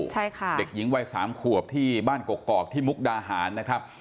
ใช่ค่ะเด็กหญิงวัยสามขวบที่บ้านกกอกที่มุกดาหารนะครับ